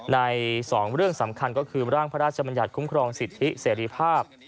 ใน๒เรื่องสำคัญก็คือร่างพระราชมัญญัติคุ้มครองสิทธิเสรีภาพ